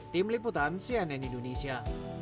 tim liputan cnn indonesia